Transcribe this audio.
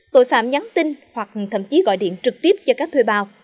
tội phạm nhắn tin hoặc thậm chí gọi điện trực tiếp cho các thuê bào